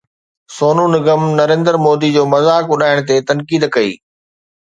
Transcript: سونو نگم نريندر مودي جو مذاق اڏائڻ تي تنقيد ڪئي